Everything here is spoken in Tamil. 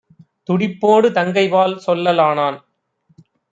துடிப்போடு தங்கைபால் சொல்ல லானான்;